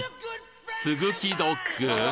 すぐきドッグ！？